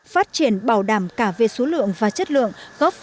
phát triển bảo đảm cả về số lượng và chất lượng